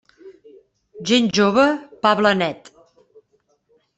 Gent jove, pa blanet.